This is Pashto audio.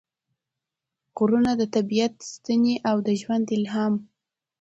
غرونه – د طبیعت ستنې او د ژوند الهام